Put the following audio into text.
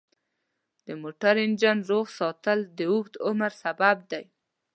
د موټر انجن روغ ساتل د اوږد عمر سبب دی.